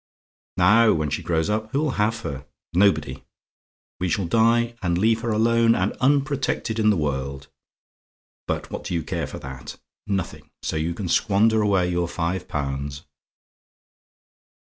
Now, when she grows up, who'll have her? Nobody. We shall die, and leave her alone and unprotected in the world. But what do you care for that? Nothing; so you can squander away five pounds."